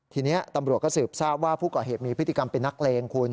ทีนี้ตำรวจก็สืบทราบว่าผู้ก่อเหตุมีพฤติกรรมเป็นนักเลงคุณ